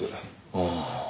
ああ。